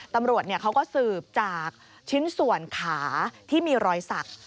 ตำรวจเขาก็สืบจากชิ้นส่วนขาที่มีรอยสัก